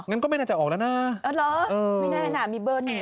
งั้นก็ไม่แน่น่าจะออกแล้วนะเออไม่แน่น่ะมีเบิ้ล